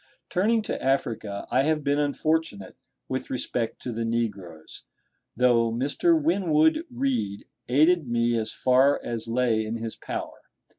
Turning to Africa, I have been unfortunate with respect to the negroes, though Mr. Winwood Reade aided me as far as lay in his power.